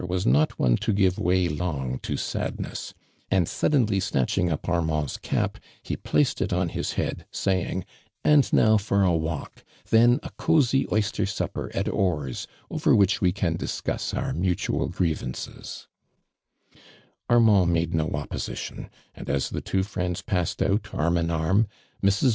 I siny for Bd for |it, and which Ion and "My Lot one to give way long to sadness, and suddenly snatclung up Arniand's caji, he placetl it on his hoadjsaying :" And now for a walk, then 11 cosy oyster supper at Orr's over which we can discuss our mutual gi ievances." Armand made no opposition, and as the two friends passed out^ arm in arm, Mi s.